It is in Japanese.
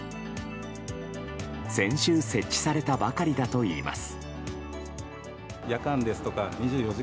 先週設置されたばかりだといいます。